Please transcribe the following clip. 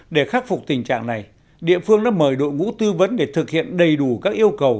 để khắc phục tình trạng này địa phương đã mời đội ngũ tư vấn để thực hiện đầy đủ các yêu cầu